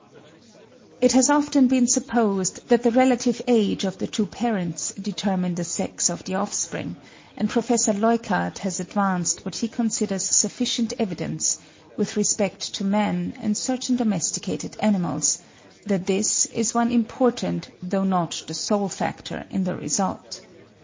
It has often been supposed that the relative age of the two parents determine the sex of the offspring; and Prof. Leuckart (55. Leuckart, in Wagner 'Handwörterbuch der Phys.' B. iv. 1853, s. 774.) has advanced what he considers sufficient evidence, with respect to man and certain domesticated animals, that this is one important though not the sole factor in the result.